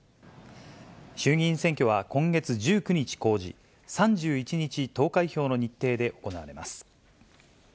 衆議院選挙は今月１９日公示、３１日投開票の日程で行われます。